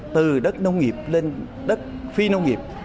từ đất nông nghiệp lên đất phi nông nghiệp